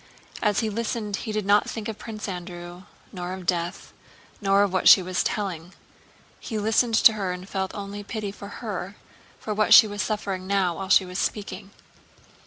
As he listened he did not think of Prince Andrew, nor of death, nor of what she was telling. He listened to her and felt only pity for her, for what she was suffering now while she was speaking.